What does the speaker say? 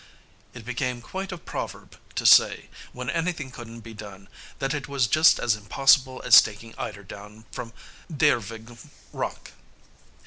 It became quite a proverb to say, when anything couldn't be done, that it was just as impossible as taking eider down from Dyrevig rock.